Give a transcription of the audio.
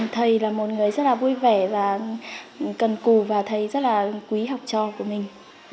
thầy là một người rất là vui vẻ và cần cù và thầy rất là quý học trò của mình